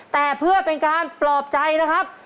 แต่เพื่อเป็นการปลอบใจนะครับ